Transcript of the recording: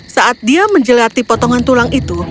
saat dia menjelati potongan tulang itu